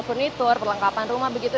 perlengkapan rumah begitu